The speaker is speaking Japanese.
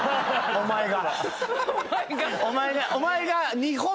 お前が。